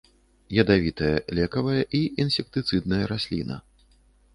Ядавітая лекавая і інсектыцыдная расліна.